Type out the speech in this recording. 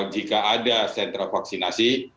jika ada sentra vaksinasi